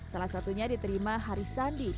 salah satunya diterima hari sandi